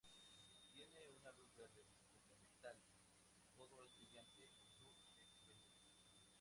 Tiene una luz verde, como metal, todo es brillante en su exterior.